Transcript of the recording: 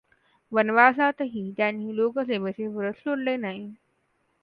वनवासातही त्यांनी लोकसेवेचे व्रत सोडले नाही.